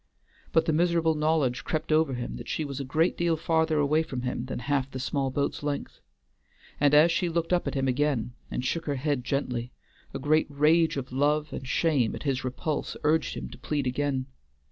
But the miserable knowledge crept over him that she was a great deal farther away from him than half that small boat's length, and as she looked up at him again, and shook her head gently, a great rage of love and shame at his repulse urged him to plead again.